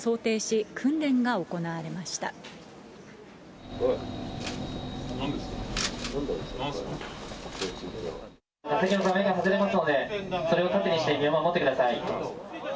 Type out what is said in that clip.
座面が外れますので、それを盾にして身を守ってください。